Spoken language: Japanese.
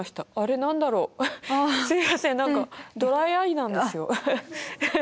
何だろうすいません何かドライアイなんですよ。